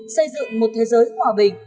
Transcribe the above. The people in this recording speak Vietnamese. xây dựng một thế giới hòa bình